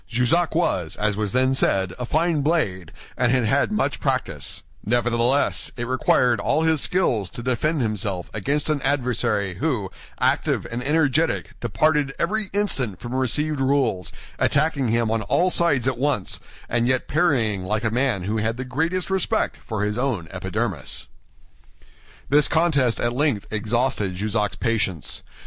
Jussac was, as was then said, a fine blade, and had had much practice; nevertheless it required all his skill to defend himself against an adversary who, active and energetic, departed every instant from received rules, attacking him on all sides at once, and yet parrying like a man who had the greatest respect for his own epidermis. This contest at length exhausted Jussac's patience.